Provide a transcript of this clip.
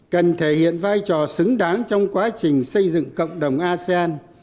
cần thể hiện vai trò xứng đáng trong quá trình xây dựng cộng đồng asean